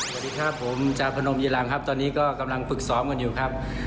สวัสดีครับผมจาพนมอีรังครับตอนนี้ก็กำลังฝึกซ้อมกันอยู่ครับ